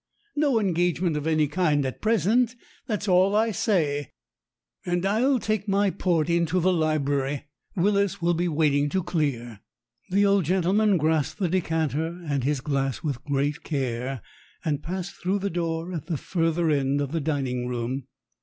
No engagement of any kind at present, that's all I say. And I'll take my port into the library; W r illis will be waiting to clear." The old gentleman grasped the decanter and his glass with great care, and passed through the door 68 STORIES WITHOUT TEARS at the further end of the dining room.